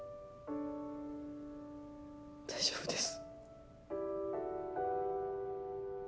大丈夫です。